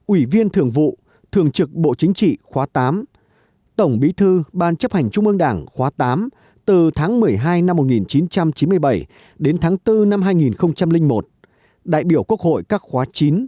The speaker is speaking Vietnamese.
ủy viên thường vụ thường trực bộ chính trị khóa tám tổng bí thư ban chấp hành trung ương đảng khóa tám từ tháng một mươi hai năm một nghìn chín trăm chín mươi bảy đến tháng bốn năm hai nghìn một đại biểu quốc hội các khóa chín